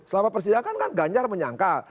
selama persidangan kan ganjar menyangka